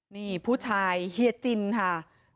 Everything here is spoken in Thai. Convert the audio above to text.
นี่ผู้ชายเฮียจินค่ะ